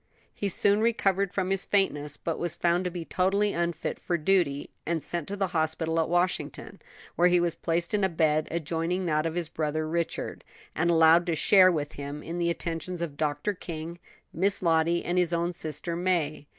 He soon recovered from his faintness, but was found to be totally unfit for duty, and sent to the hospital at Washington, where he was placed in a bed adjoining that of his brother Richard, and allowed to share with him in the attentions of Dr. King, Miss Lottie, and his own sister May.